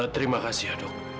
terima kasih dok